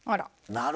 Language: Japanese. なるほど。